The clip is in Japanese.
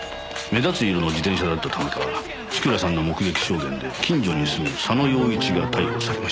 目立つ色の自転車だったためか千倉さんの目撃証言で近所に住む佐野陽一が逮捕されました。